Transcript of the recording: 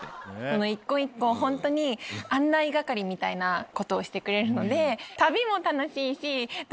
この１個１個ホントに案内係みたいなことをしてくれるので。